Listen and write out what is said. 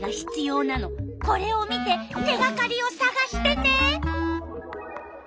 これを見て手がかりをさがしてね！